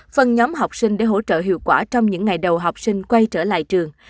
phần nhóm học sinh để hỗ trợ hiệu quả trong những ngày đầu học sinh quay trở lại trường